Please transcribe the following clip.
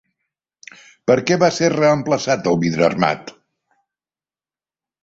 Per què va ser reemplaçat el vidre armat?